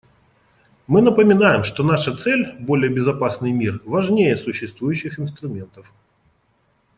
Мы напоминаем, что наша цель − более безопасный мир − важнее существующих инструментов.